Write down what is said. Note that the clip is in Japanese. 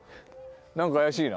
何か怪しいな。